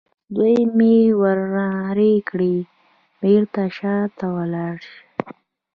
دوی ته مې ور نارې کړې: بېرته شا ته ولاړ شئ.